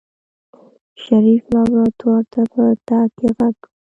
شريف لابراتوار ته په تګ کې غږ کړ.